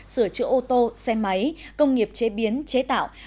sửa chữa ô tô xe máy công nghiệp chế biến chế tạo